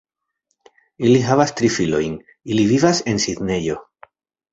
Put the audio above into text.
Ili havas tri filojn, ili vivas en Sidnejo.